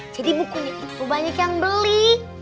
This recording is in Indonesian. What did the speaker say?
jadi bukunya itu banyak yang beli